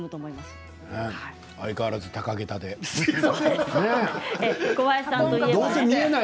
相変わらず高げたでね。